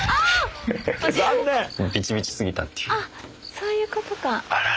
そういうことか。